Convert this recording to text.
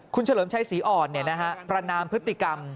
คุณเฉลิมชัยศรีอ่อนประนามพฤติกรรม